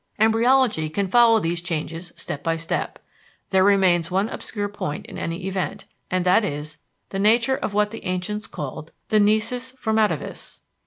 Embryology can follow these changes step by step. There remains one obscure point in any event, and that is, the nature of what the ancients called the nisus formativus.